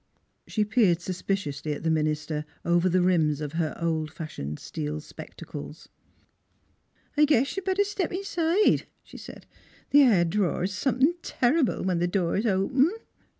She peered suspiciously at the minister over the rims of her old fashioned steel spectacles. " I guess you'd better step inside," she said. " The air drors is something terrible when the door's open."